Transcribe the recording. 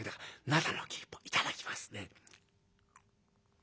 灘の生一本頂きますね」。